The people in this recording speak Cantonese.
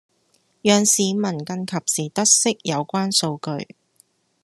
讓市民更及時得悉有關數據